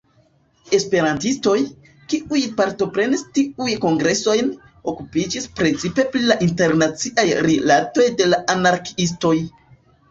Esperantistoj, kiuj partoprenis tiujn kongresojn, okupiĝis precipe pri la internaciaj rilatoj de la anarkiistoj.